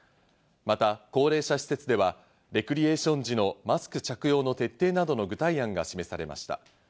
また高齢者施設ではレクレーション時のマスク着用の徹底などの具体案が示されました。